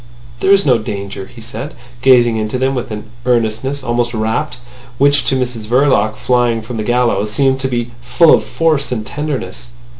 "There is no danger," he said, gazing into them with an earnestness almost rapt, which to Mrs Verloc, flying from the gallows, seemed to be full of force and tenderness.